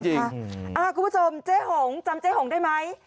คุณผู้ชมเจ๊หงจำเจ๊หงได้ไหม